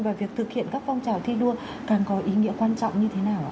về việc thực hiện các phong trào thi đua càng có ý nghĩa quan trọng như thế nào ạ